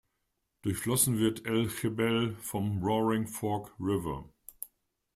Durchflossen wird El Jebel vom Roaring Fork River.